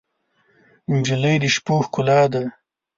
نجلۍ د شپو ښکلا ده.